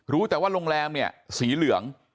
รู้แต่ว่าโรงแรมเนี่ยสีเหลือง